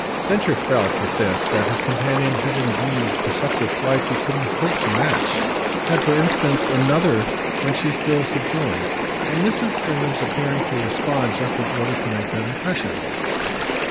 Densher felt, with this, that his companion had indeed perceptive flights he couldn't hope to match had for instance another when she still subjoined: "And Mrs. Stringham's appearing to respond just in order to make that impression."